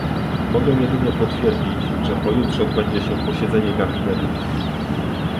Mogę jedynie potwierdzić, że pojutrze odbędzie się posiedzenie gabinetu